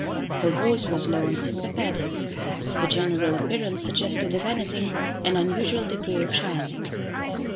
Her voice was low and sympathetic. Her general appearance suggested, if anything, an unusual degree of shyness.